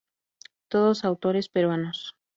Todos autores peruanos.